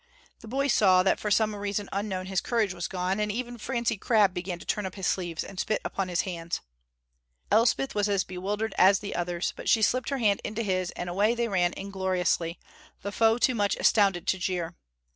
The boys saw that for some reason unknown his courage was gone, and even Francie Crabb began to turn up his sleeves and spit upon his hands. Elspeth was as bewildered as the others, but she slipped her hand into his and away they ran ingloriously, the foe too much astounded to jeer.